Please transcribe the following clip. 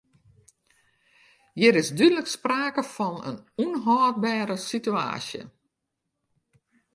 Hjir is dúdlik sprake fan in ûnhâldbere sitewaasje.